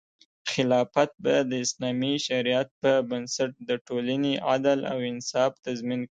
خلافت به د اسلامي شریعت په بنسټ د ټولنې عدل او انصاف تضمین کړي.